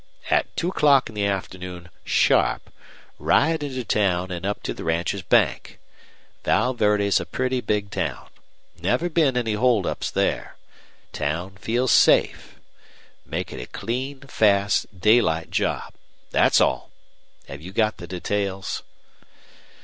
At two o'clock in the afternoon, sharp, ride into town and up to the Rancher's Bank. Val Verde's a pretty big town. Never been any holdups there. Town feels safe. Make it a clean, fast, daylight job. That's all. Have you got the details?"